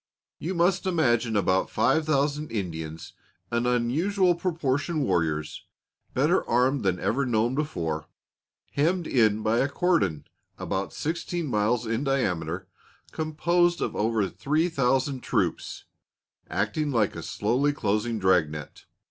You must imagine about five thousand Indians, an unusual proportion warriors, better armed than ever known before, hemmed in by a cordon, about sixteen miles in diameter, composed of over three thousand troops, acting like a slowly closing drag net.